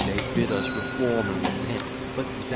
they bid us reform and repent, But, z s!